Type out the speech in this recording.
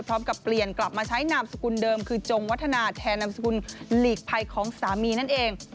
พร้อมกับเปลี่ยนกลับมาใช้นามสกุลเดิมคือจงวัฒนาแทนนามสกุลหลีกภัยของสามีนั่นเอง